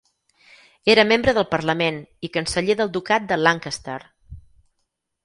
Era membre del parlament i canceller del ducat de Lancaster.